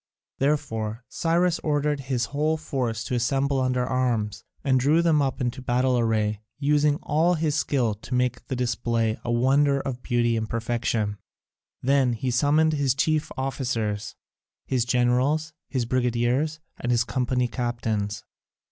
Therefore Cyrus ordered his whole force to assemble under arms, and drew them up into battle array, using all his skill to make the display a wonder of beauty and perfection. Then he summoned his chief officers, his generals, his brigadiers, and his company captains.